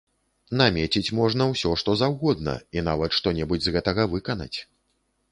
Намеціць можна ўсё, што заўгодна, і нават што-небудзь з гэтага выканаць.